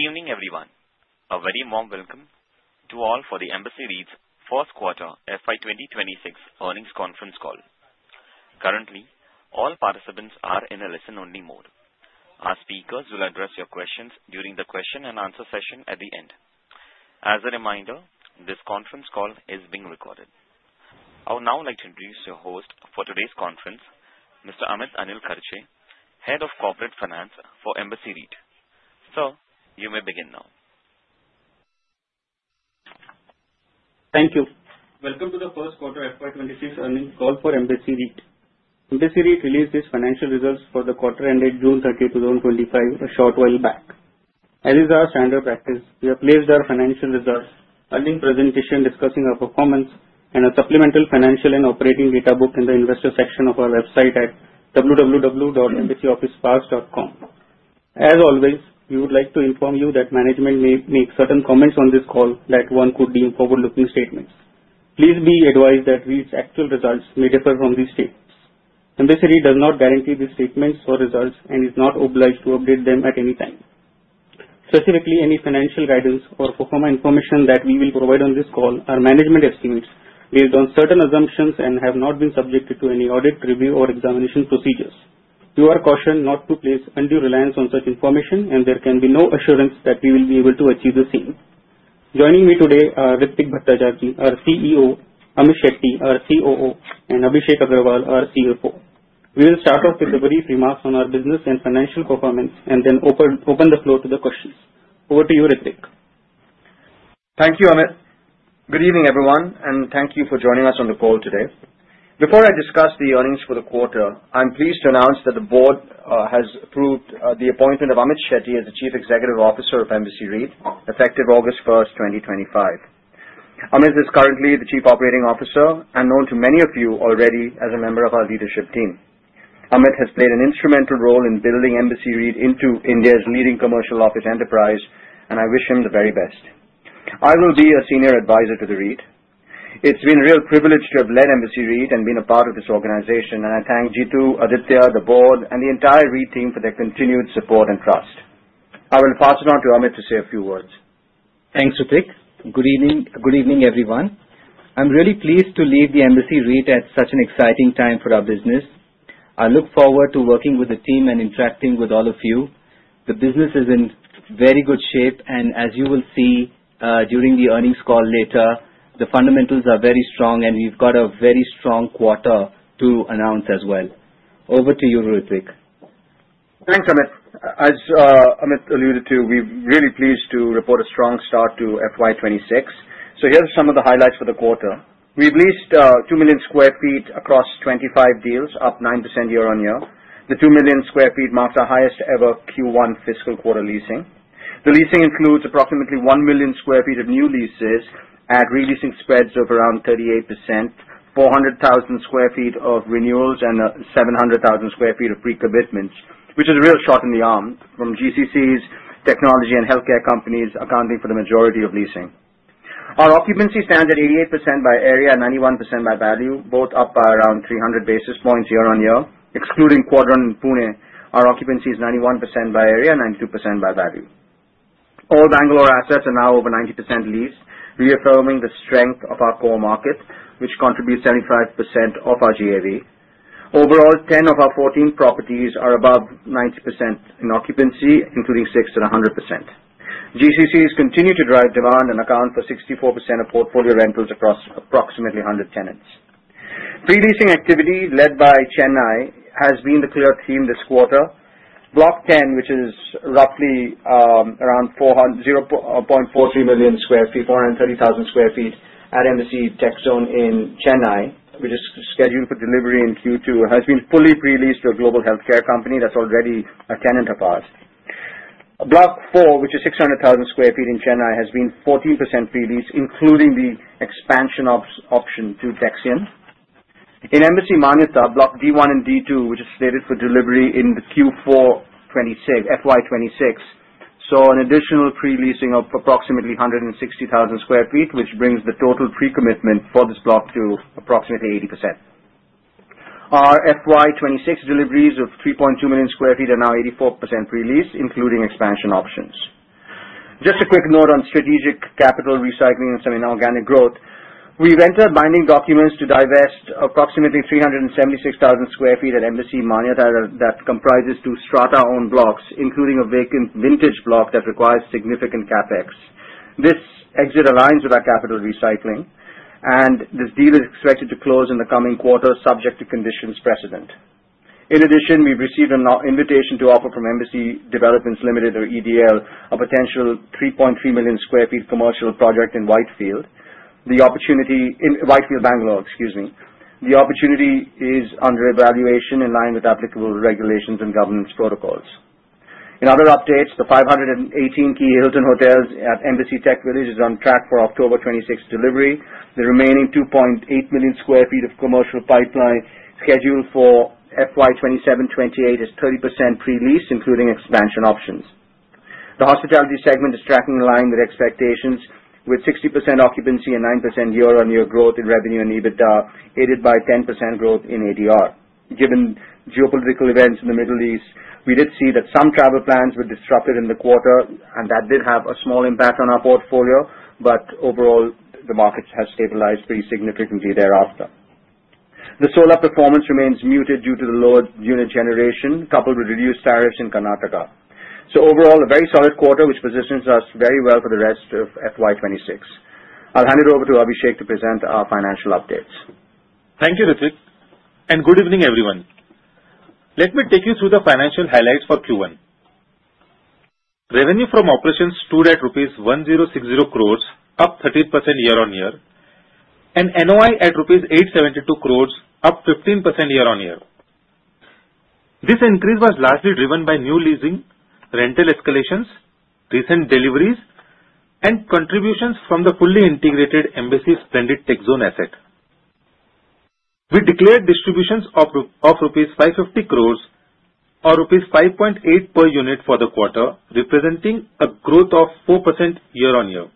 Good evening, everyone. A very warm welcome to all for the Embassy Office Parks REIT's first quarter FY 2026 earnings conference call. Currently, all participants are in a listen-only mode. Our speakers will address your questions during the question-and-answer session at the end. As a reminder, this conference call is being recorded. I would now like to introduce your host for today's conference, Mr. Amit Kharche, Head of Corporate Finance for Embassy Office Parks REIT. Sir, you may begin now. Thank you. Welcome to the first quarter FY 2026 earnings call for Embassy REIT. Embassy REIT released its financial results for the quarter ended June 30, 2025, a short while back. As is our standard practice, we have placed our financial results, earnings presentation discussing our performance, and a supplemental financial and operating data book in the investor section of our website at www.embassyofficeparks.com. As always, we would like to inform you that management may make certain comments on this call that one could deem forward-looking statements. Please be advised that Embassy REIT's actual results may differ from these statements. Embassy REIT does not guarantee these statements or results and is not obliged to update them at any time. Specifically, any financial guidance or performance information that we will provide on this call are management estimates based on certain assumptions and have not been subjected to any audit, review, or examination procedures. We are cautioned not to place undue reliance on such information, and there can be no assurance that we will be able to achieve the same. Joining me today are Ritwik Bhattacharjee, our CEO, Amit Shetty, our COO, and Abhishek Agarwal, our CFO. We will start off with a brief remark on our business and financial performance and then open the floor to the questions. Over to you, Ritwik. Thank you, Amit. Good evening, everyone, and thank you for joining us on the call today. Before I discuss the earnings for the quarter, I am pleased to announce that the board has approved the appointment of Amit Shetty as the Chief Executive Officer of Embassy REIT, effective August 1, 2025. Amit is currently the Chief Operating Officer and known to many of you already as a member of our leadership team. Amit has played an instrumental role in building Embassy REIT into India's leading commercial office enterprise, and I wish him the very best. I will be a Senior Advisor to the REIT. It's been a real privilege to have led Embassy REIT and been a part of this organization, and I thank Jitu, Aditya, the board, and the entire REIT team for their continued support and trust. I will pass it on to Amit to say a few words. Thanks, Ritwik. Good evening, everyone. I'm really pleased to lead the REIT at such an exciting time for our business. I look forward to working with the team and interacting with all of you. The business is in very good shape, and as you will see during the earnings call later, the fundamentals are very strong, and we've got a very strong quarter to announce as well. Over to you, Ritwik. Thanks, Amit. As Amit alluded to, we're really pleased to report a strong start to FY 2026. Here are some of the highlights for the quarter. We've leased 2 million sq ft across 25 deals, up 9% year-on-year. The 2 million sq ft marks our highest ever Q1 fiscal quarter leasing. The leasing includes approximately 1 million sq ft of new leases at releasing spreads of around 38%, 400,000 sq ft of renewals, and 700,000 sq ft of pre-commitments, which is a real shot in the arm from GCCs, technology, and healthcare companies accounting for the majority of leasing. Our occupancy stands at 88% by area, 91% by value, both up by around 300 basis points year-on-year. Excluding Quadron and Pune, our occupancy is 91% by area, 92% by value. All Bangalore assets are now over 90% leased, reaffirming the strength of our core market, which contributes 75% of our GAV. Overall, 10 of our 14 properties are above 90% in occupancy, including 6 at 100%. GCCs continue to drive demand and account for 64% of portfolio rentals across approximately 100 tenants. Pre-leasing activity led by Chennai has been the clear theme this quarter. Block 10, which is roughly around 0.43 million sq ft, 430,000 sq ft at Embassy Splendid Tech Zone in Chennai, which is scheduled for delivery in Q2, has been fully pre-leased to a global healthcare company that's already a tenant of ours. Block 4, which is 600,000 sq ft in Chennai, has been 14% pre-leased, including the expansion option to Dexian. In Embassy Manyata, Block D1 and D2, which is slated for delivery in Q4 FY 2026, saw an additional pre-leasing of approximately 160,000 sq ft, which brings the total pre-commitment for this block to approximately 80%. Our FY 2026 deliveries of 3.2 million sq ft are now 84% pre-leased, including expansion options. A quick note on strategic capital recycling and some inorganic growth. We entered binding documents to divest approximately 376,000 sq ft at Embassy Manyata, that comprises two strata-owned blocks, including a vacant vintage block that requires significant CapEx. This exit aligns with our capital recycling, and this deal is expected to close in the coming quarter, subject to conditions precedent. In addition, we've received an invitation to offer from Embassy Developments Limited, or EDL, a potential 3.3 million sq ft commercial project in Whitefield, the opportunity in Whitefield, Bangalore. The opportunity is under evaluation in line with applicable regulations and governance protocols. In other updates, the 518-key Hilton hotel at Embassy TechVillage is on track for October 2026 delivery. The remaining 2.8 million sq ft of commercial pipeline scheduled for FY 2027-2028 is 30% pre-leased, including expansion options. The hospitality segment is tracking in line with expectations, with 60% occupancy and 9% year-on-year growth in revenue and EBITDA, aided by 10% growth in ADR. Given geopolitical events in the Middle East, we did see that some travel plans were disrupted in the quarter, and that did have a small impact on our portfolio. Overall, the markets have stabilized pretty significantly thereafter. The solar performance remains muted due to the lower unit generation, coupled with reduced tariffs in Karnataka. Overall, a very solid quarter, which positions us very well for the rest of FY 2026. I'll hand it over to Abhishek to present our financial updates. Thank you, Ritwik, and good evening, everyone. Let me take you through the financial highlights for Q1. Revenue from operations stood at 1,060 crore, up 13% year-on-year, and NOI at 872 crore rupees, up 15% year-on-year. This increase was largely driven by new leasing, rental escalations, recent deliveries, and contributions from the fully integrated Embassy Splendid Tech Zone asset. We declared distributions of 550 crore rupees or 5.8 rupees per unit for the quarter, representing a growth of 4% year-on-year.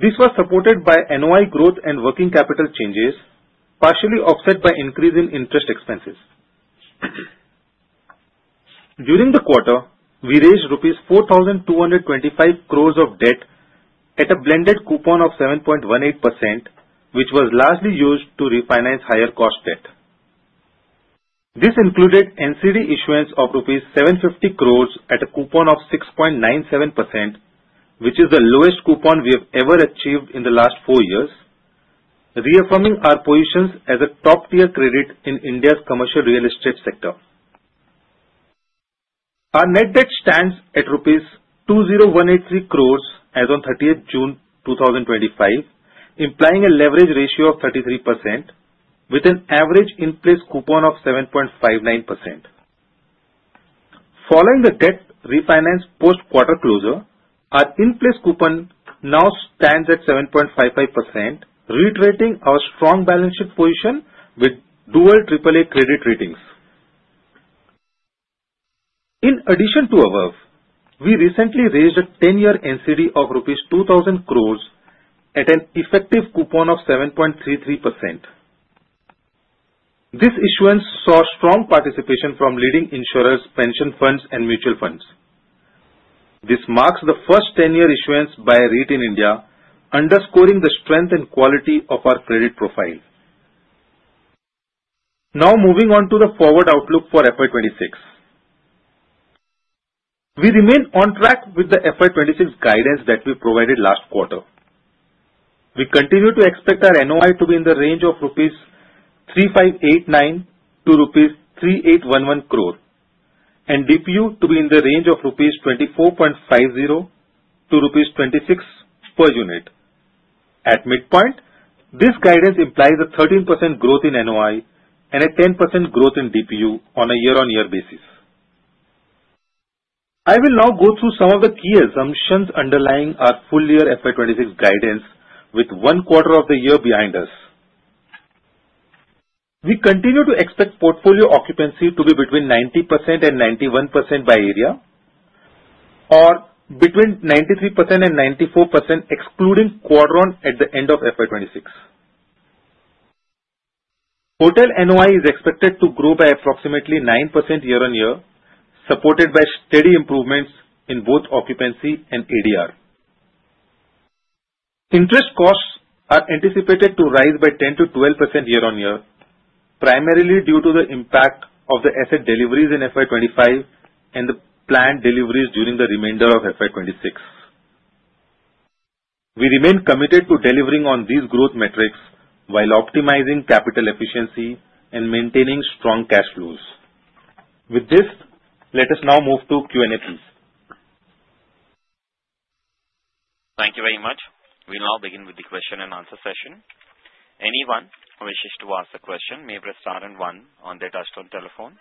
This was supported by NOI growth and working capital changes, partially offset by increase in interest expenses. During the quarter, we raised rupees 4,225 crore of debt at a blended coupon of 7.18%, which was largely used to refinance higher-cost debt. This included NCD issuance of 750 crore rupees at a coupon of 6.97%, which is the lowest coupon we have ever achieved in the last four years, reaffirming our position as a top-tier credit in India's commercial real estate sector. Our net debt stands at rupees 20,183 crore as on 30th June 2025, implying a leverage ratio of 33%, with an average in-place coupon of 7.59%. Following the debt refinance post-quarter closure, our in-place coupon now stands at 7.55%, reiterating our strong balance sheet position with dual AAA credit ratings. In addition to above, we recently raised a 10-year NCD of rupees 2,000 crore at an effective coupon of 7.33%. This issuance saw strong participation from leading insurers, pension funds, and mutual funds. This marks the first 10-year issuance by a REIT in India, underscoring the strength and quality of our credit profile. Now, moving on to the forward outlook for FY 2026. We remain on track with the FY 2026 guidance that we provided last quarter. We continue to expect our NOI to be in the range of rupees 3,589 to rupees 3,811 crore, and DPU to be in the range of rupees 24.50 to rupees 26 per unit. At midpoint, this guidance implies a 13% growth in NOI and a 10% growth in DPU on a year-on-year basis. I will now go through some of the key assumptions underlying our full-year FY 2026 guidance, with one quarter of the year behind us. We continue to expect portfolio occupancy to be between 90% and 91% by area or between 93% and 94%, excluding Quadron at the end of FY 2026. Hotel NOI is expected to grow by approximately 9% year-on-year, supported by steady improvements in both occupancy and ADR. Interest costs are anticipated to rise by 10%-12% year-on-year, primarily due to the impact of the asset deliveries in FY 2025 and the planned deliveries during the remainder of FY 2026. We remain committed to delivering on these growth metrics while optimizing capital efficiency and maintaining strong cash flows. With this, let us now move to Q&A, please. Thank you very much. We'll now begin with the question and answer session. Anyone who wishes to ask a question may press star and one on their touch-tone telephone.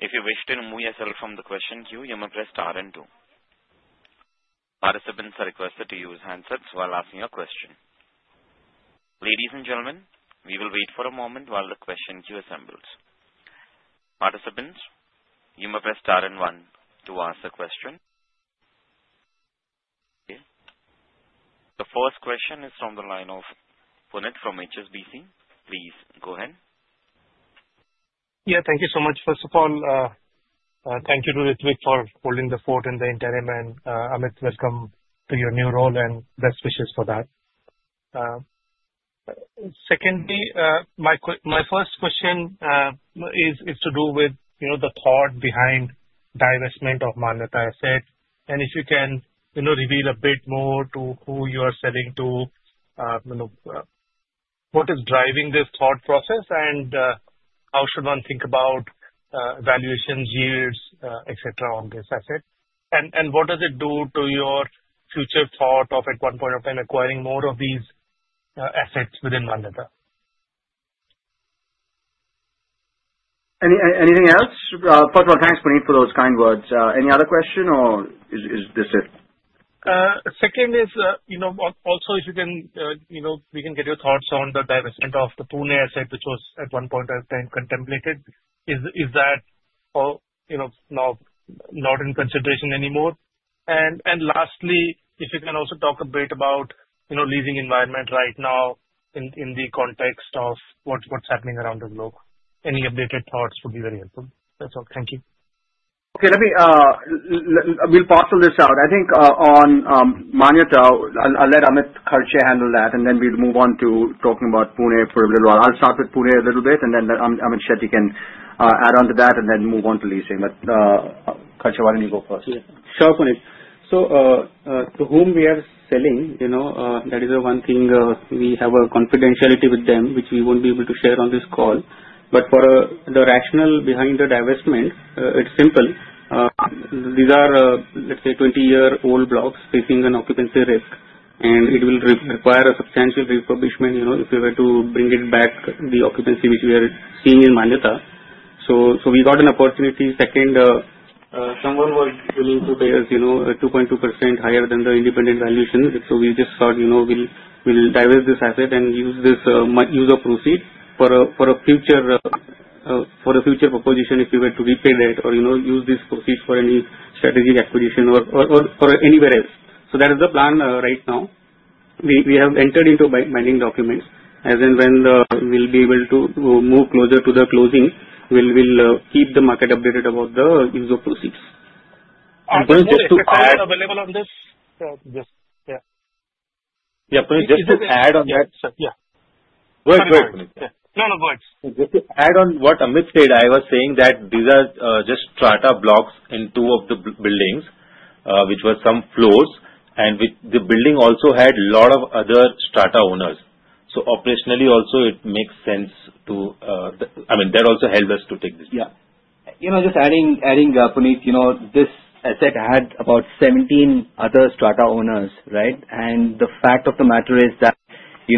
If you wish to remove yourself from the question queue, you may press star and two. Participants are requested to use handsets while asking a question. Ladies and gentlemen, we will wait for a moment while the question queue assembles. Participants, you may press star and one to ask a question. The first question is from the line of Puneet from HSBC. Please go ahead. Yeah, thank you so much. First of all, thank you to Ritwik for holding the fort in the interim, and Amit, welcome to your new role and best wishes for that. Secondly, my first question is to do with the thought behind divestment of Embassy Manyata. If you can reveal a bit more to who you are selling to, what is driving this thought process, and how should one think about valuations, yields, etc. on this asset? What does it do to your future thought of at one point of time acquiring more of these assets within Embassy Manyata? Anything else? First of all, thanks, Puneet, for those kind words. Any other question or is this it? Second is, if you can get your thoughts on the divestment of the Pune asset, which was at one point of time contemplated. Is that now not in consideration anymore? Lastly, if you can also talk a bit about the leasing environment right now in the context of what's happening around the globe. Any updated thoughts would be very helpful. That's all. Thank you. Okay, let me, we'll parcel this out. I think on Embassy Manyata, I'll let Amit Kharche handle that, and then we'll move on to talking about Pune for a little while. I'll start with Pune a little bit, and then Amit Shetty can add on to that and then move on to leasing. Kharche, why don't you go first? Sure, Puneet. To whom we are selling, that is the one thing we have a confidentiality with them, which we won't be able to share on this call. For the rationale behind the divestment, it's simple. These are, let's say, 20-year-old blocks facing an occupancy risk, and it will require a substantial refurbishment if we were to bring it back, the occupancy which we are seeing in Manutha. We got an opportunity. Someone was willing to, as you know, 2.2% higher than the independent valuation. We just thought we'll divest this asset and use this use of proceeds for a future proposition if we were to repay that or use these proceeds for any strategic acquisition or anywhere else. That is the plan right now. We have entered into binding documents. As and when we'll be able to move closer to the closing, we'll keep the market updated about the use of proceeds. Amit, is the client available on this? Just, yeah. Yeah, Puneet, just to add on that. Yeah. Good, good. Yeah. No, no, good. Just to add on what Amit said, I was saying that these are just strata blocks in two of the buildings, which were some floors, and the building also had a lot of other strata owners. Operationally, also, it makes sense to, I mean, that also helps us to take this. Yeah. Just adding, Puneet, this asset had about 17 other strata owners, right? The fact of the matter is that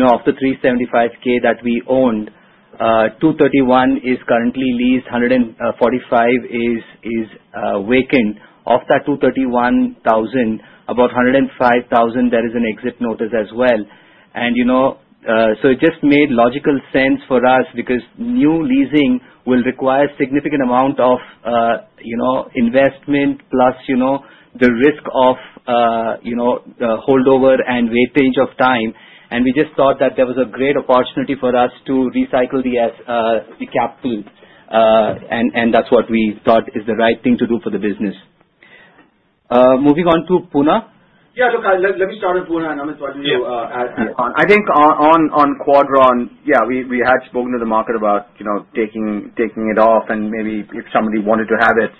of the 376,000 sq ft that we owned, 231,000 sq ft is currently leased, 145,000 sq ft is vacant. Of that 231,000 sq ft, about 105,000 sq ft, there is an exit notice as well. It just made logical sense for us because new leasing will require a significant amount of investment, plus the risk of holdover and waiting of time. We just thought that there was a great opportunity for us to recycle the capital and that's what we thought is the right thing to do for the business. Moving on to Pune. Yeah, look, let me start with Pune, and Amit, why don't you add upon? I think on Quadron, yeah, we had spoken to the market about taking it off and maybe if somebody wanted to have it,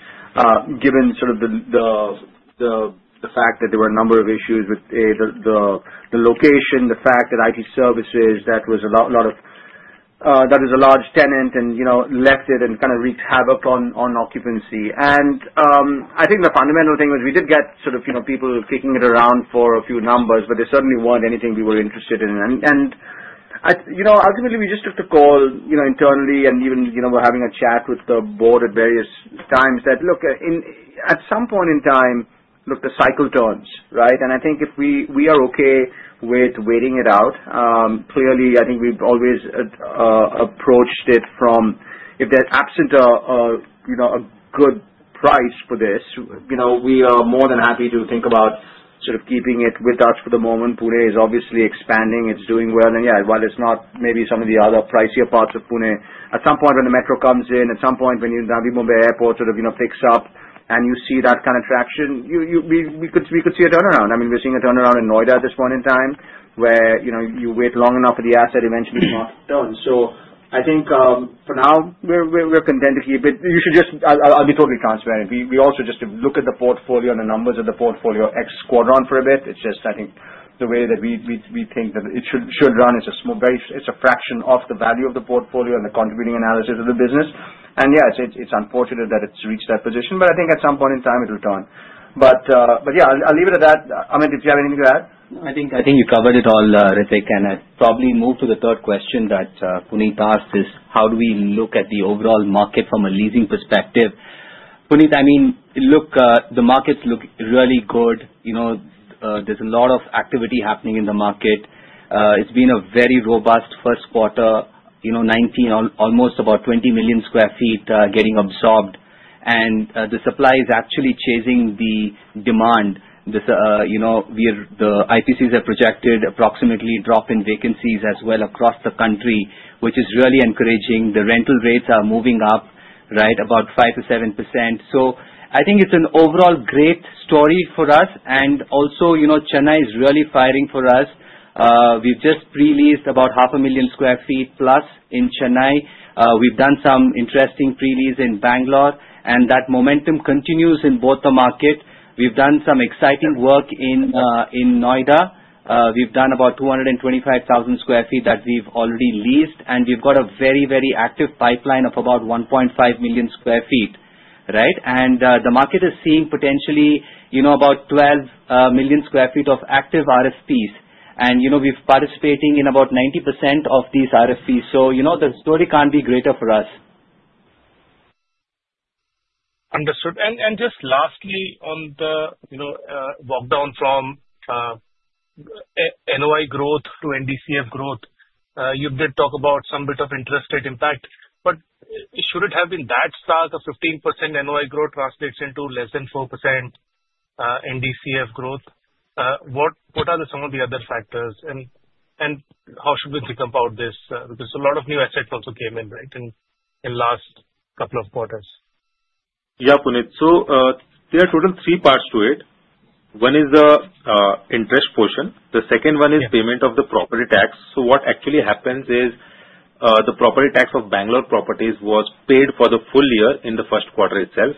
given the fact that there were a number of issues with the location, the fact that IT services, that was a large tenant, and left it and kind of wreaked havoc on occupancy. I think the fundamental thing was we did get people kicking it around for a few numbers, but they certainly weren't anything we were interested in. Ultimately, we just took the call internally, and even, you know, we're having a chat with the board at various times that, look, at some point in time, the cycle turns, right? I think if we are okay with waiting it out, clearly, I think we've always approached it from if there's absent a good price for this, we are more than happy to think about keeping it with us for the moment. Pune is obviously expanding. It's doing well. While it's not maybe some of the other pricier parts of Pune, at some point when the metro comes in, at some point when Navi Mumbai Airport picks up and you see that kind of traction, we could see a turnaround. I mean, we're seeing a turnaround in Noida at this point in time where you wait long enough for the asset eventually to not be done. I think for now, we're content to keep it. I'll be totally transparent. We also just look at the portfolio and the numbers of the portfolio ex-Embassy Quadron for a bit. It's just, I think, the way that we think that it should run is a small, very, it's a fraction of the value of the portfolio and the contributing analysis of the business. Yes, it's unfortunate that it's reached that position, but I think at some point in time, it'll turn. I'll leave it at that. Amit, did you have anything to add? I think you covered it all, Ritwik, and I'll probably move to the third question that Puneet asked is, how do we look at the overall market from a leasing perspective? Puneet, I mean, look, the markets look really good. There's a lot of activity happening in the market. It's been a very robust first quarter, 19, almost about 20 million sq ft getting absorbed. The supply is actually chasing the demand. The IPCs have projected approximately drop in vacancies as well across the country, which is really encouraging. The rental rates are moving up, right, about 5%-7%. I think it's an overall great story for us. Also, Chennai is really firing for us. We've just pre-leased about half a million sq ft plus in Chennai. We've done some interesting pre-lease in Bangalore, and that momentum continues in both the market. We've done some exciting work in Noida. We've done about 225,000 sq ft that we've already leased, and we've got a very, very active pipeline of about 1.5 million sq ft, right? The market is seeing potentially about 12 million sq ft of active RFPs. We're participating in about 90% of these RFPs. The story can't be greater for us. Understood. Just lastly, on the walkdown from NOI growth to NDCF growth, you did talk about some bit of interest rate impact. Should it have been that stark, a 15% NOI growth translates into less than 4% NDCF growth? What are some of the other factors and how should we decompose this? A lot of new assets also came in, right, in the last couple of quarters. Yeah, Puneet. There are total three parts to it. One is the interest portion. The second one is payment of the property tax. What actually happens is the property tax of Bangalore properties was paid for the full year in the first quarter itself.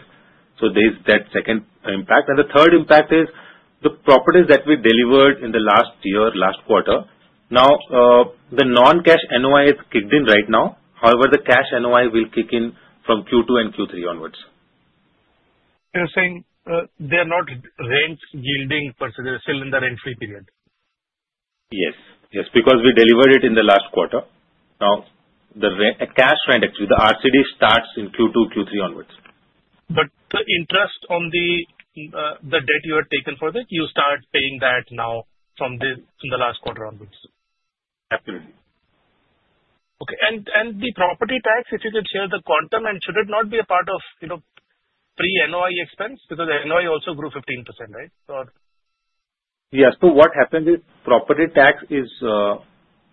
There is that second impact. The third impact is the properties that we delivered in the last year, last quarter. Now, the non-cash NOI is kicked in right now. However, the cash NOI will kick in from Q2 and Q3 onwards. You're saying they're not rent-yielding per se. They're still in the rent-free period. Yes, because we delivered it in the last quarter. Now, the cash rent, actually, the RCD starts in Q2, Q3 onwards. The interest on the debt you had taken for that, you start paying that now from the last quarter onwards. Absolutely. Okay. If you could share the quantum of the property tax, should it not be a part of pre-NOI expense because the NOI also grew 15%, right? Yes. What happens is property tax is,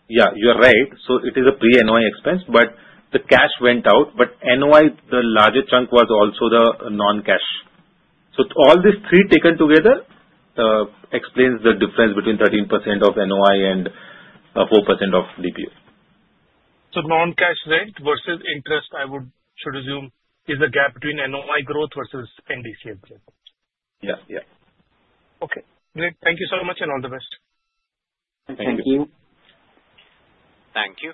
yeah, you're right. It is a pre-NOI expense, but the cash went out. NOI, the larger chunk was also the non-cash. All these three taken together explain the difference between 13% of NOI and 4% of DPU. Non-cash rent versus interest, I should assume, is the gap between NOI growth versus NDCF growth. Yeah, yeah. Okay. Great. Thank you so much and all the best. Thank you. Thank you.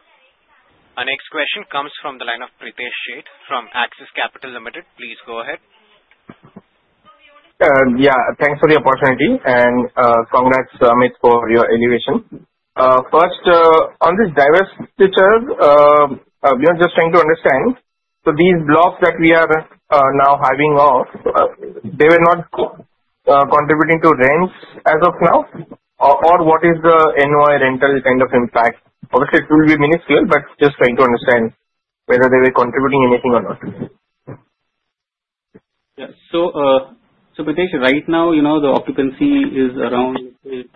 Our next question comes from the line of Pritesh Sheth from Axis Capital Limited. Please go ahead. Yeah. Thanks for the opportunity, and congrats, Amit, for your elevation. First, on this divestment picture, we are just trying to understand. These blocks that we are now having off, they were not contributing to rents as of now, or what is the NOI rental kind of impact? Obviously, it will be minuscule, just trying to understand whether they were contributing anything or not. Yeah. Pritesh, right now, you know, the occupancy is around 6%.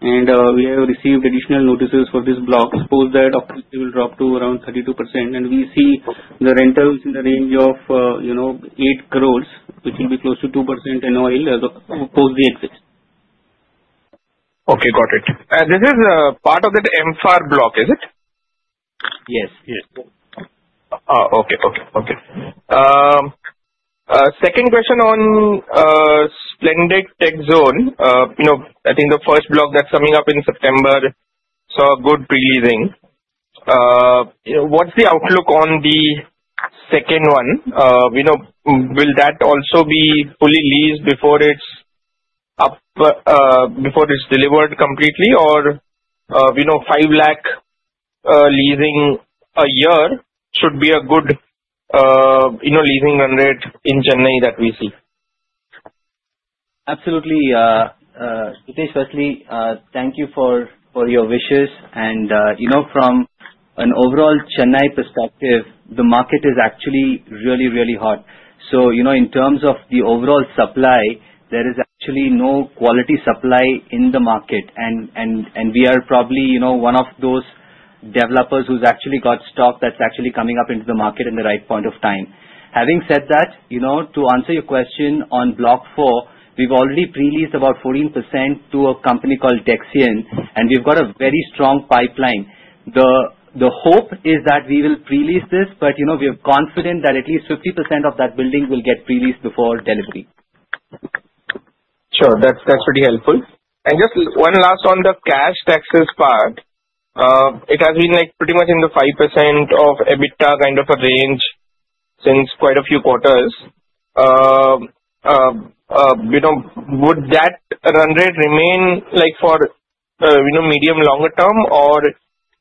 We have received additional notices for this block. Suppose that occupancy will drop to around 32%, and we see the rentals in the range of 8 crore, which will be close to 2% NOI as opposed to the exit. Okay. Got it. Is this a part of that MFAR block? Yes. Yes. Okay. Second question on Embassy Splendid TechZone. I think the first block that's coming up in September saw a good pre-leasing. What's the outlook on the second one? Will that also be fully leased before it's delivered completely, or 500,000 leasing a year should be a good leasing run rate in Chennai that we see? Absolutely. Pritesh, firstly, thank you for your wishes. From an overall Chennai perspective, the market is actually really, really hot. In terms of the overall supply, there is actually no quality supply in the market. We are probably one of those developers who's actually got stock that's actually coming up into the market at the right point of time. Having said that, to answer your question on Block 4, we've already pre-leased about 14% to a company called Dexian, and we've got a very strong pipeline. The hope is that we will pre-lease this, but we're confident that at least 50% of that building will get pre-leased before delivery. Sure. That's pretty helpful. Just one last on the cash taxes part. It has been pretty much in the 5% of EBITDA kind of a range since quite a few quarters. Would that run rate remain for medium-longer term, or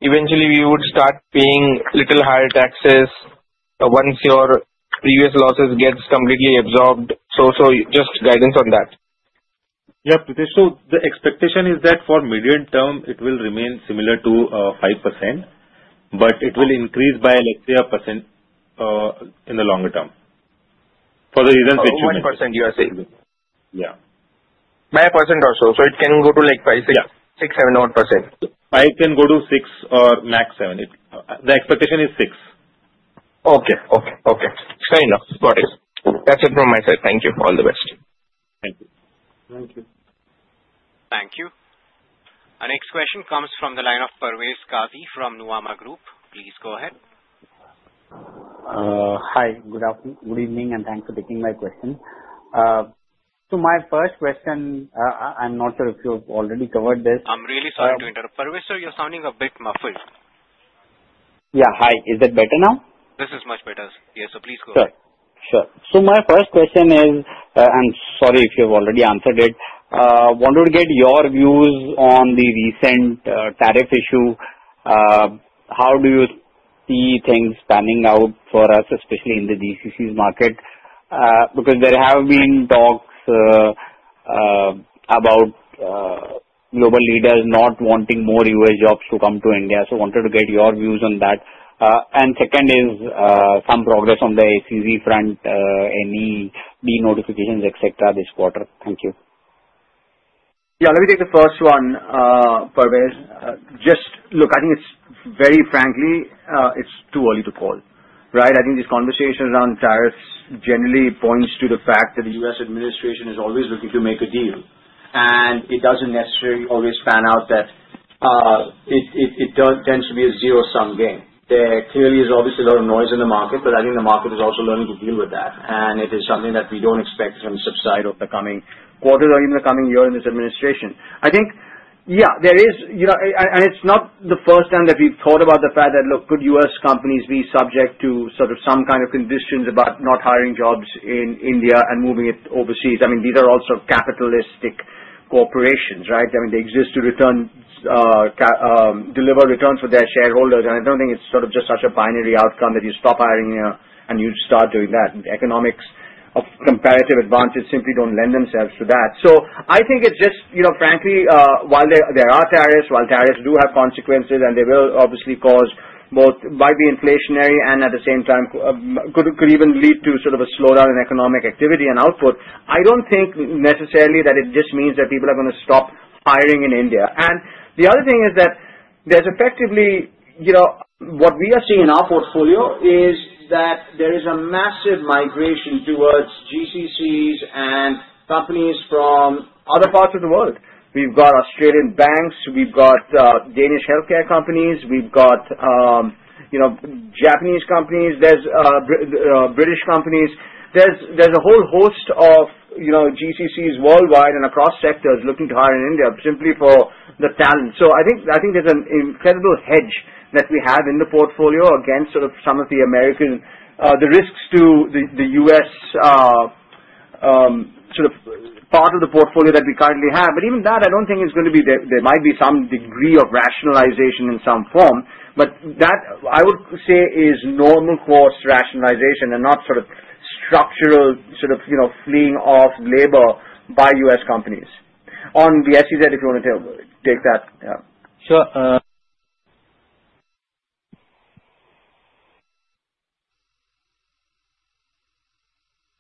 eventually, we would start paying a little higher taxes once your previous losses get completely absorbed? Just guidance on that. Yeah, Pritesh. The expectation is that for the medium term, it will remain similar to 5%, but it will increase by, let's say, 1% in the longer term for the reasons which you mentioned. By 5%, you are saying? Yeah. By a percent or so, it can go to like 5%, 6%, 7%, or 8%. It can go to 6 or max 7. The expectation is 6. Okay. Fair enough. Got it. That's it from my side. Thank you. All the best. Thank you. Thank you. Thank you. Our next question comes from the line of Parvez Qazi from Nuwama Group. Please go ahead. Hi. Good evening, and thanks for taking my question. My first question, I'm not sure if you've already covered this. I'm really sorry to interrupt. Parvais, sir, you're sounding a bit muffled. Hi. Is it better now? This is much better. Yes, please go ahead. Sure. My first question is, and sorry if you've already answered it, I wanted to get your views on the recent tariff issue. How do you see things panning out for us, especially in the GCCs market? There have been talks about global leaders not wanting more U.S. jobs to come to India. I wanted to get your views on that. Second is some progress on the SEZ front, any de-notifications, etc., this quarter. Thank you. Yeah. Let me take the first one, Parvez. I think it's very, frankly, it's too early to call, right? I think this conversation around tariffs generally points to the fact that the U.S. administration is always looking to make a deal. It doesn't necessarily always pan out that it tends to be a zero-sum game. There clearly is obviously a lot of noise in the market, but I think the market is also learning to deal with that. It is something that we don't expect to subside over the coming quarter or even the coming year in this administration. I think, yeah, there is, you know, and it's not the first time that we've thought about the fact that, look, could U.S. companies be subject to sort of some kind of conditions about not hiring jobs in India and moving it overseas? I mean, these are also capitalistic corporations, right? I mean, they exist to deliver returns for their shareholders. I don't think it's sort of just such a binary outcome that you stop hiring here and you start doing that. The economics of comparative advantage simply don't lend themselves to that. I think it's just, you know, frankly, while there are tariffs, while tariffs do have consequences, and they will obviously cause both might be inflationary and at the same time could even lead to sort of a slowdown in economic activity and output. I don't think necessarily that it just means that people are going to stop hiring in India. The other thing is that there's effectively, you know, what we are seeing in our portfolio is that there is a massive migration towards GCCs and companies from other parts of the world. We've got Australian banks. We've got Danish healthcare companies. We've got, you know, Japanese companies. There's British companies. There's a whole host of, you know, GCCs worldwide and across sectors looking to hire in India simply for the talent. I think there's an incredible hedge that we have in the portfolio against sort of some of the American, the risks to the U.S. sort of part of the portfolio that we currently have. Even that, I don't think it's going to be there. There might be some degree of rationalization in some form. That, I would say, is normal course rationalization and not sort of structural sort of, you know, fleeing off labor by U.S. companies. On the SEZ, if you want to take that. Yeah.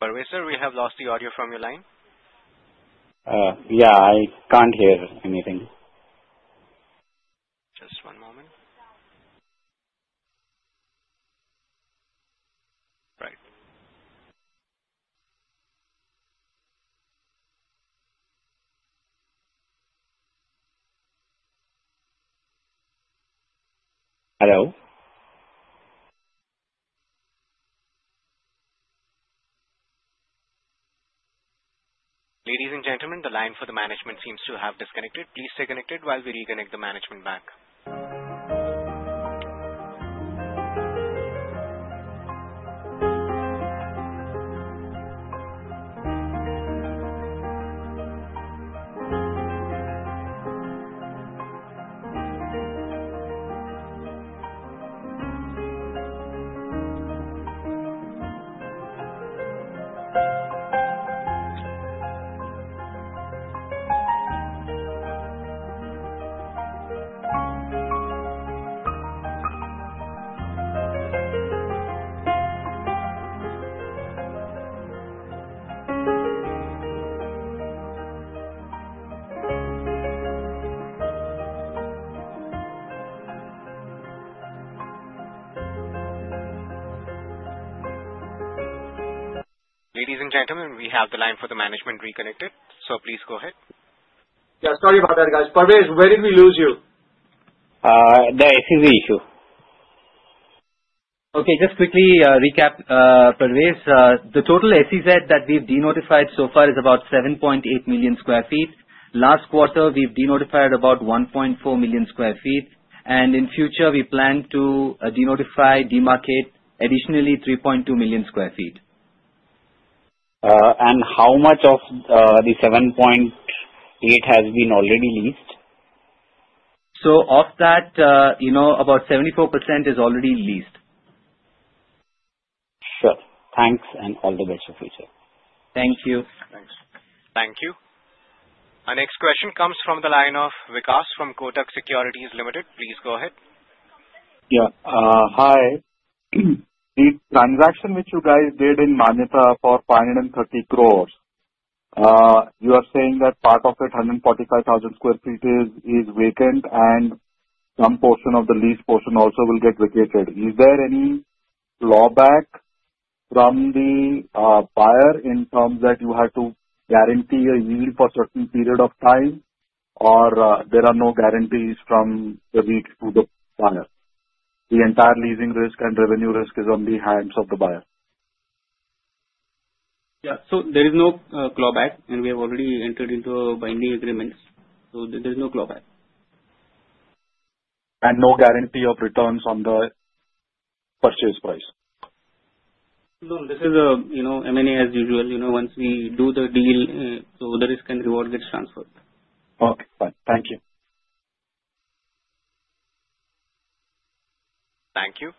Parvais, sir, we have lost the audio from your line. Yeah, I can't hear anything. Just one moment. Right. Hello, ladies and gentlemen. The line for the management seems to have disconnected. Please stay connected while we reconnect the management back. Ladies and gentlemen, we have the line for the management reconnected. Please go ahead. Yeah, sorry about that, guys. Parvez, where did we lose you? The SEC issue. Okay. Just to quickly recap, Parvez, the total SEZ that we've de-notified so far is about 7.8 million sq ft. Last quarter, we've de-notified about 1.4 million sq ft. In future, we plan to de-notify, demarcate additionally 3.2 million sq ft. How much of the 7.9 million sq ft has been already leased? Of that, you know, about 74% is already leased. Sure. Thanks and all the best for the future. Thank you. Thanks. Thank you. Our next question comes from the line of Vikas from Kotak Securities Limited. Please go ahead. Yeah. Hi. The transaction which you guys did in Embassy Manyata for 530 crore, you are saying that part of it, 145,000 sq ft, is vacant, and some portion of the leased portion also will get vacated. Is there any clawback from the buyer in terms that you have to guarantee a yield for a certain period of time, or there are no guarantees from the lease to the buyer? The entire leasing risk and revenue risk is on the hands of the buyer. Yeah, there is no clawback, and we have already entered into binding agreements. There is no clawback. No guarantee of returns on the purchase price? No, this is M&A as usual. You know, once we do the deal, the risk and reward gets transferred. Okay. Fine. Thank you. Thank you.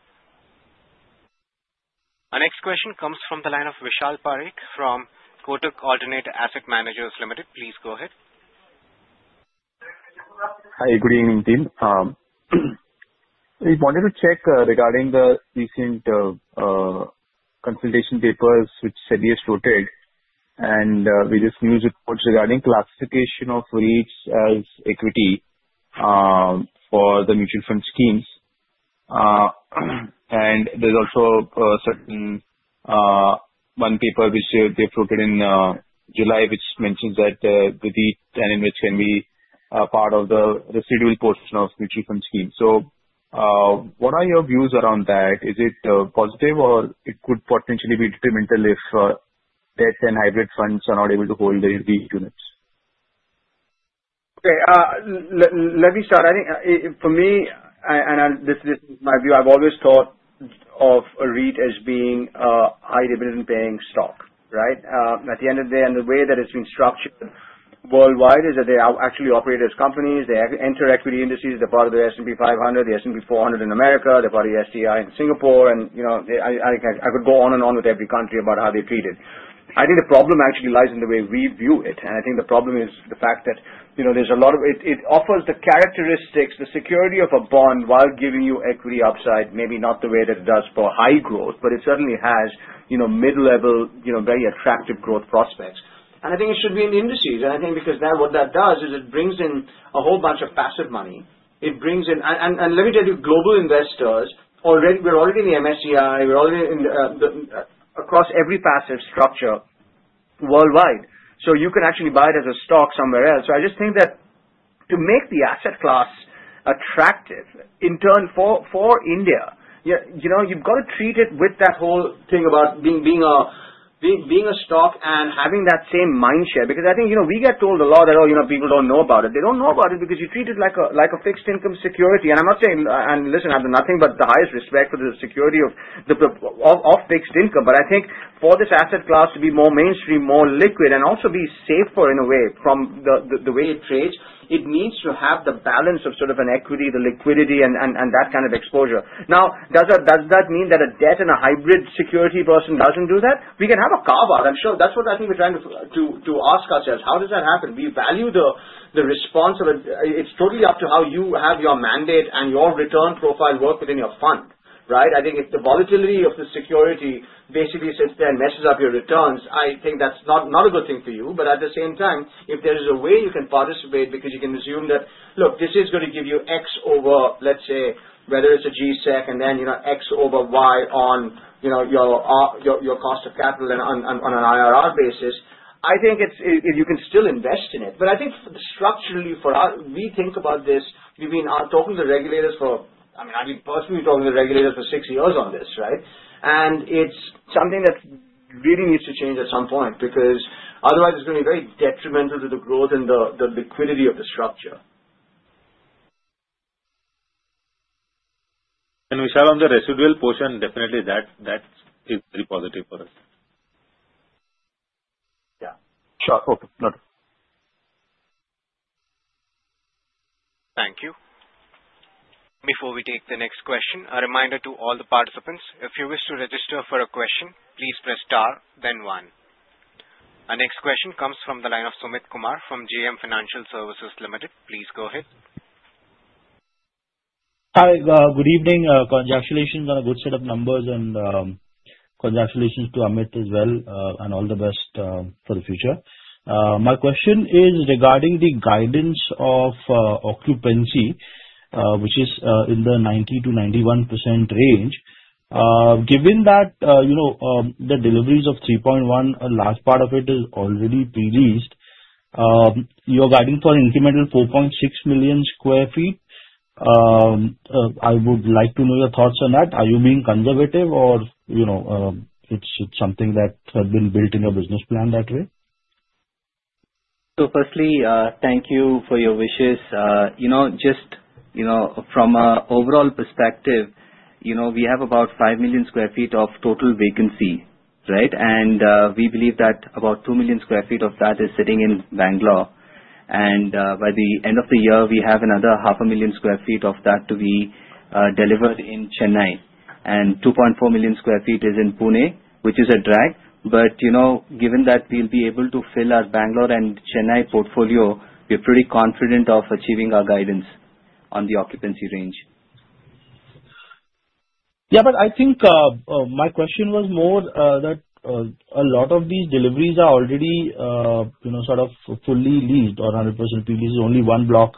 Our next question comes from the line of Vishal Parekh from Kotak Alternate Asset Managers Limited. Please go ahead. Hi. Good evening, team. We wanted to check regarding the recent consultation papers which SEBI stated and various news reports regarding classification of REITs as equity for the mutual fund schemes. There's also a certain one paper which they approved in July, which mentions that the REIT and InVITs can be part of the residual portion of mutual fund schemes. What are your views around that? Is it positive, or it could potentially be detrimental if debt and hybrid funds are not able to hold the REIT units? Okay. Let me start. I think for me, and this is my view, I've always thought of a REIT as being a high dividend-paying stock, right? At the end of the day, and the way that it's been structured worldwide is that they actually operate as companies. They enter equity indices. They're part of the S&P 500, the S&P 400 in America. They're part of the STI in Singapore. I could go on and on with every country about how they're treated. I think the problem actually lies in the way we view it. I think the problem is the fact that it offers the characteristics, the security of a bond while giving you equity upside, maybe not the way that it does for high growth, but it certainly has mid-level, very attractive growth prospects. I think it should be in indices. I think what that does is it brings in a whole bunch of passive money. It brings in, and let me tell you, global investors already, we're already in the MSCI. We're already in the across every passive structure worldwide. You can actually buy it as a stock somewhere else. I just think that to make the asset class attractive, in turn, for India, you've got to treat it with that whole thing about being a stock and having that same mind share. I think we get told a lot that, oh, people don't know about it. They don't know about it because you treat it like a fixed income security. I'm not saying, and listen, I have nothing but the highest respect for the security of fixed income. I think for this asset class to be more mainstream, more liquid, and also be safer in a way from the way it trades, it needs to have the balance of sort of an equity, the liquidity, and that kind of exposure. Now, does that mean that a debt and a hybrid security person doesn't do that? We can have a carve-out. I'm sure that's what I think we're trying to ask ourselves. How does that happen? We value the response of it. It's totally up to how you have your mandate and your return profile work within your fund, right? I think if the volatility of the security basically sits there and messes up your returns, I think that's not a good thing for you. At the same time, if there is a way you can participate because you can assume that, look, this is going to give you X over, let's say, whether it's a G-SEC and then, you know, X over Y on your cost of capital and on an IRR basis, I think you can still invest in it. Structurally for us, we think about this, we've been talking to regulators for, I mean, I've been personally talking to regulators for six years on this, right? It's something that really needs to change at some point because otherwise, it's going to be very detrimental to the growth and the liquidity of the structure. We said on the residual portion, definitely that is very positive for us. Yeah. Sure. Okay. Noted. Thank you. Before we take the next question, a reminder to all the participants, if you wish to register for a question, please press star, then one. Our next question comes from the line of Sumit Kumar from JM Financial Services Limited. Please go ahead. Hi. Good evening. Congratulations on a good set of numbers and congratulations to Amit as well and all the best for the future. My question is regarding the guidance of occupancy, which is in the 90%-91% range. Given that the deliveries of 3.2 million sq ft, a large part of it is already pre-leased, you're guiding for an incremental 4.6 million sq ft. I would like to know your thoughts on that. Are you being conservative or it's something that had been built in your business plan that way? Firstly, thank you for your wishes. Just from an overall perspective, we have about 5 million sq ft of total vacancy, right? We believe that about 2 million sq ft of that is sitting in Bangalore. By the end of the year, we have another 0.5 million sq ft of that to be delivered in Chennai. 2.4 million sq ft is in Pune, which is a drag. Given that we'll be able to fill our Bangalore and Chennai portfolio, we're pretty confident of achieving our guidance on the occupancy range. Yeah, I think my question was more that a lot of these deliveries are already, you know, sort of fully leased or 100% pre-leased. There's only one block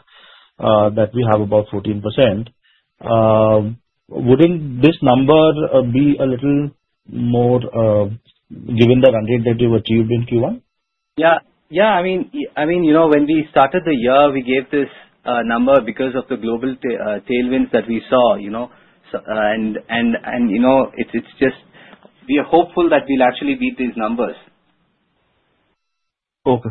that we have about 14%. Wouldn't this number be a little more given the run rate that we've achieved in Q1? Yeah, when we started the year, we gave this number because of the global tailwinds that we saw, and you know, we're hopeful that we'll actually beat these numbers. Okay.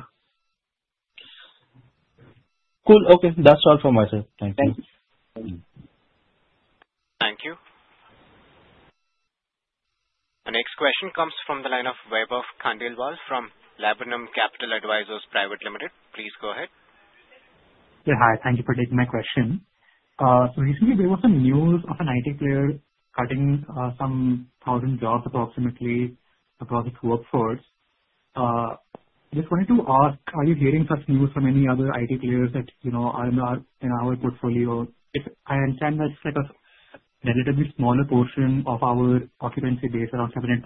Cool. Okay. That's all for my side. Thank you. Thank you. Thank you. Our next question comes from the line of Vaibhav Khandelwal from Laburnum Capital Advisors Private Limited. Please go ahead. Yeah. Hi. Thank you for taking my question. Recently, there was some news of an IT player cutting some thousand jobs approximately across its workforce. I just wanted to ask, are you hearing such news from any other IT players that are in our portfolio? I understand that it's like a relatively smaller portion of our occupancy base, around 7%-8%.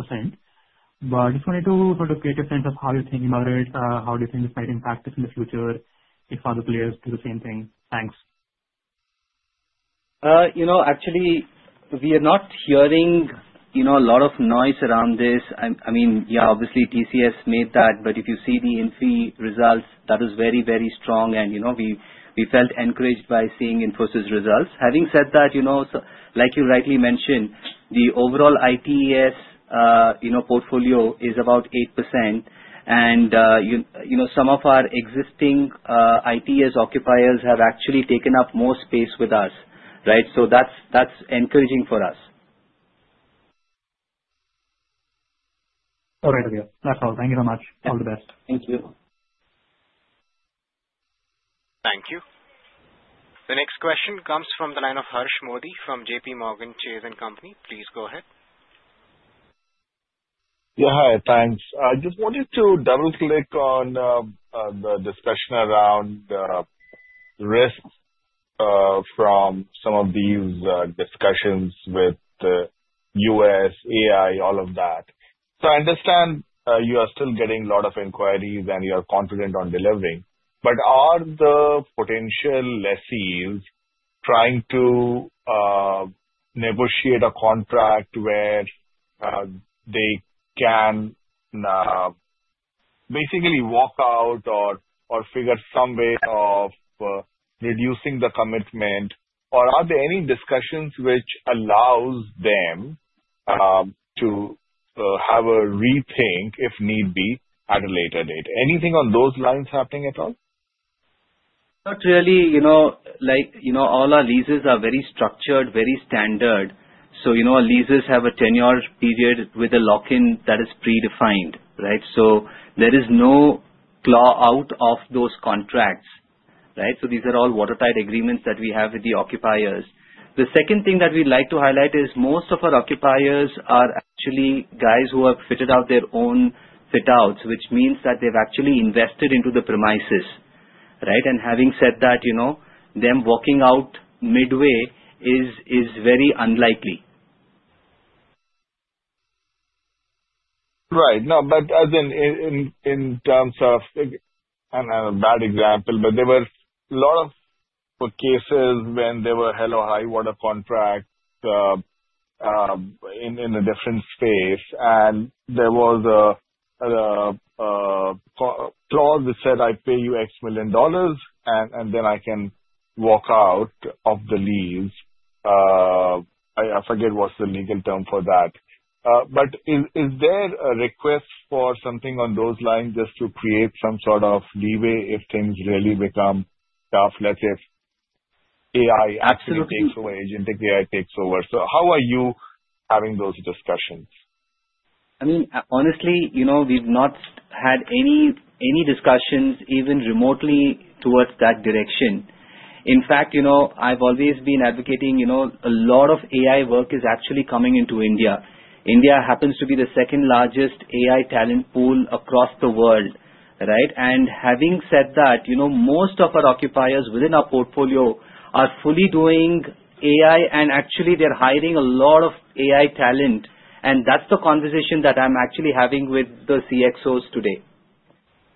I just wanted to sort of get a sense of how you're thinking about it. How do you think this might impact us in the future if other players do the same thing? Thanks. You know, actually, we are not hearing a lot of noise around this. I mean, yeah, obviously, TCS made that, but if you see the Infosys results, that was very, very strong. You know, we felt encouraged by seeing Infosys results. Having said that, like you rightly mentioned, the overall ITES portfolio is about 8%. Some of our existing ITES occupiers have actually taken up more space with us, right? That's encouraging for us. All right, Amit. That's all. Thank you so much. All the best. Thank you. Thank you. The next question comes from the line of Harsh Modi from JPMorgan Chase and Company. Please go ahead. Yeah. Hi. Thanks. I just wanted to double-click on the discussion around the risks from some of these discussions with the U.S., AI, all of that. I understand you are still getting a lot of inquiries and you are confident on delivering. Are the potential lessees trying to negotiate a contract where they can basically walk out or figure some way of reducing the commitment? Are there any discussions which allow them to have a rethink if need be at a later date? Anything on those lines happening at all? Not really. All our leases are very structured, very standard. Our leases have a 10-year period with a lock-in that is predefined, right? There is no claw out of those contracts, right? These are all watertight agreements that we have with the occupiers. The second thing that we'd like to highlight is most of our occupiers are actually guys who have fitted out their own fit-outs, which means that they've actually invested into the premises, right? Having said that, them walking out midway is very unlikely. Right. In terms of, and I'm a bad example, but there were a lot of cases when there were high water contracts in a different space. There was a clause that said, "I pay you X million dollars, and then I can walk out of the lease." I forget what's the legal term for that. Is there a request for something on those lines just to create some sort of leeway if things really become tough, let's say if AI actually takes over, agentic AI takes over? How are you having those discussions? Honestly, we've not had any discussions even remotely towards that direction. In fact, I've always been advocating a lot of AI work is actually coming into India. India happens to be the second largest AI talent pool across the world, right? Having said that, most of our occupiers within our portfolio are fully doing AI, and actually, they're hiring a lot of AI talent. That's the conversation that I'm actually having with the CXOs today.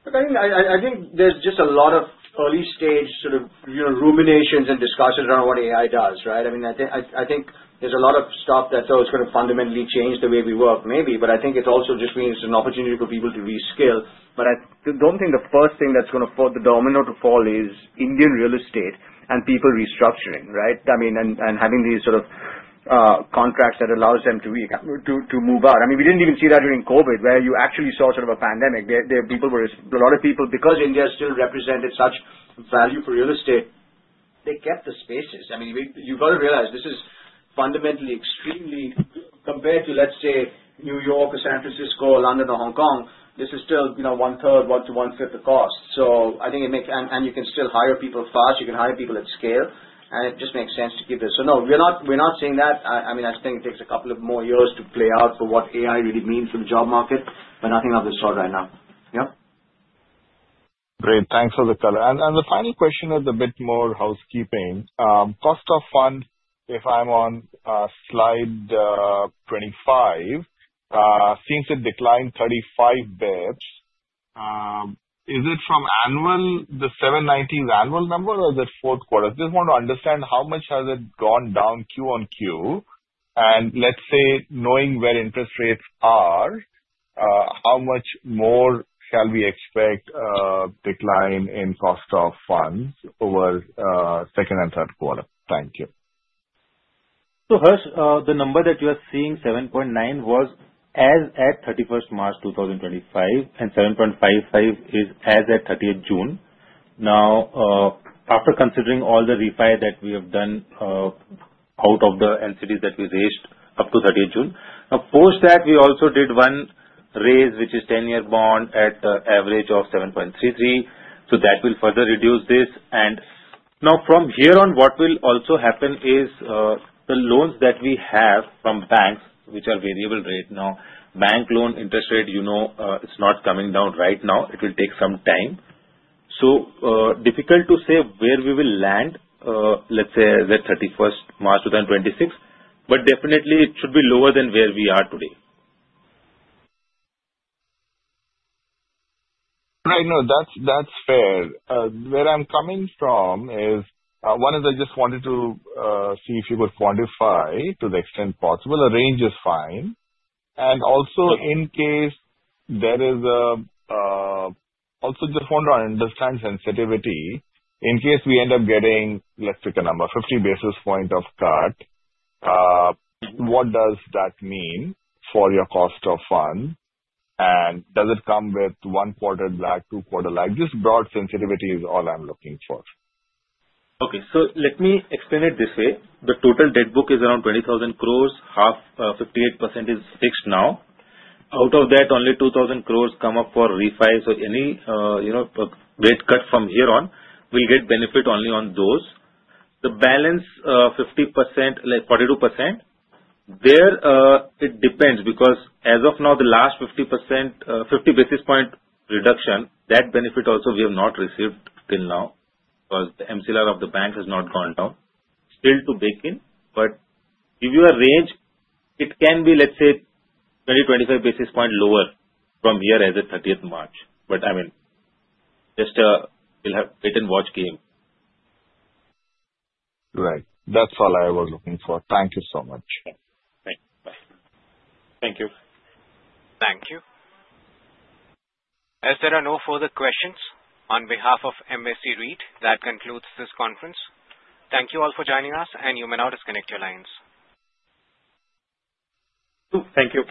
I think there's just a lot of early-stage sort of ruminations and discussions around what AI does, right? I think there's a lot of stuff that, though it's going to fundamentally change the way we work, maybe. I think it also just means it's an opportunity for people to reskill. I don't think the first thing that's going to put the domino to fall is Indian real estate and people restructuring, right? Having these sort of contracts that allow them to move out. We didn't even see that during COVID, where you actually saw sort of a pandemic. There were a lot of people, because India still represented such value for real estate, they kept the spaces. You've got to realize this is fundamentally extremely compared to, let's say, New York or San Francisco or London or Hong Kong. This is still, you know, one-third, one to one-fifth of cost. I think it makes, and you can still hire people fast. You can hire people at scale. It just makes sense to keep it. No, we're not saying that. I think it takes a couple of more years to play out for what AI really means for the job market, but nothing of the sort right now. Yeah. Great. Thanks for the color. The final question is a bit more housekeeping. Cost of fund, if I'm on slide 25, since it declined 35 bps, is it from annual, the 7.90% annual number, or is it fourth quarter? I just want to understand how much has it gone down Quarter-on-Quarter. Let's say, knowing where interest rates are, how much more shall we expect a decline in cost of funds over second and third quarter? Thank you. The number that you are seeing, 7.90%, was as at 31st March 2025, and 7.55% is as at 30th June. Now, after considering all the refi that we have done, out of the NCDs that we raised up to 30th June, we also did one raise, which is a 10-year bond at the average of 7.33%. That will further reduce this. From here on, what will also happen is, the loans that we have from banks, which are variable rate now, bank loan interest rate, you know, it's not coming down right now. It will take some time. Difficult to say where we will land, let's say, as at 31st March 2026, but definitely, it should be lower than where we are today. Right. That's fair. Where I'm coming from is, one is I just wanted to see if you could quantify to the extent possible. A range is fine. Also, just want to understand sensitivity. In case we end up getting, let's pick a number, 50 basis points of cut, what does that mean for your cost of fund? Does it come with one-quarter lag, two-quarter lag? Just broad sensitivity is all I'm looking for. Okay. Let me explain it this way. The total debt book is around 20,000 crores. 58% is fixed now. Out of that, only 2,000 crores come up for refis. Any rate cut from here on, we'll get benefit only on those. The balance, 42%, it depends because as of now, the last 50 basis point reduction, that benefit also we have not received till now because the MCLR of the bank has not gone down. Still to bake in. If you arrange, it can be, let's say, 20 to 25 basis points lower from here as of 31st March. We'll have it in watch game. Right. That's all I was looking for. Thank you so much. Thanks. Bye. Thank you. Thank you. As there are no further questions, on behalf of Embassy REIT, that concludes this conference. Thank you all for joining us, and you may now disconnect your lines. Thank you.